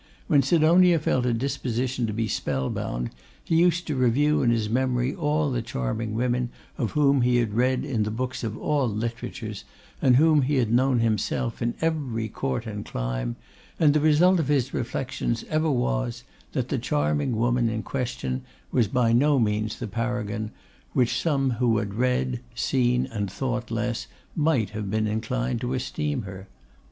When Sidonia felt a disposition to be spellbound, he used to review in his memory all the charming women of whom he had read in the books of all literatures, and whom he had known himself in every court and clime, and the result of his reflections ever was, that the charming woman in question was by no means the paragon, which some who had read, seen, and thought less, might be inclined to esteem her.